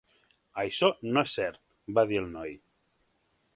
"Això no és cert", va dir el noi.